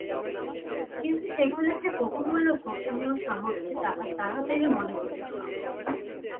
কিন্তু সেগুলি যে বহুমূল্য গোপনীয় সামগ্রী তাহা তাহাদের মনে হইল না।